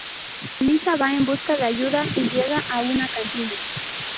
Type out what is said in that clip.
Lisa va en busca de ayuda y llega a una cantina.